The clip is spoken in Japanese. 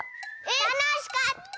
たのしかった！